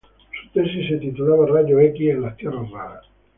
Su tesis se titulaba "Rayos X en las Tierras Raras.